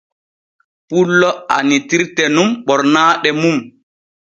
Pullo annitirte nun ɓornaaɗe nun.